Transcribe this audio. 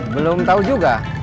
belum tau juga